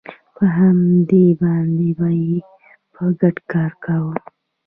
په هغوی باندې به یې په ګډه کار کاوه